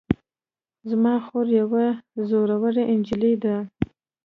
زما خور یوه زړوره نجلۍ ده